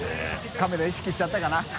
カメラ意識しちゃったかな？